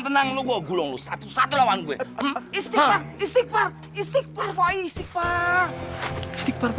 tenang lu gua gulung gulung satu satu lawan gue istiqfar istiqfar istiqfar istiqfar koy istiqfar istiqfar